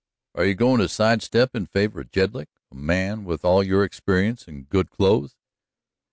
"Are you goin' to sidestep in favor of Jedlick? A man with all your experience and good clothes!"